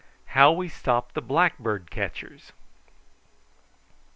HOW WE STOPPED THE BLACKBIRD CATCHERS.